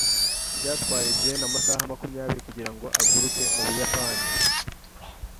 Byatwaye Jane amasaha makumyabiri kugirango aguruke mu Buyapani.